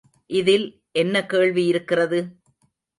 இதில் என்ன கேள்வி இருக்கிறது?